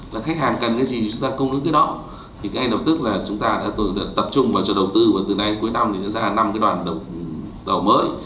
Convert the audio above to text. đầu tư của từ nay cuối năm thì sẽ ra năm cái đoàn đồng tàu mới